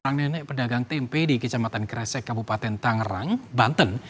sang nenek pedagang tempe di kecamatan kresek kabupaten tangerang banten